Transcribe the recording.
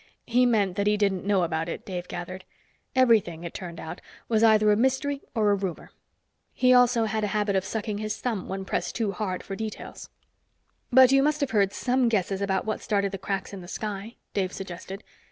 He meant that he didn't know about it, Dave gathered. Everything, it turned out, was either a mystery or a rumor. He also had a habit of sucking his thumb when pressed too hard for details. "But you must have heard some guesses about what started the cracks in the sky?" Dave suggested.